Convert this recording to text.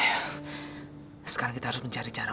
sekarang kita harus mencari cara